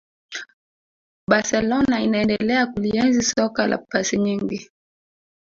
barcelona inaendelea kulienzi soka la pasi nyingi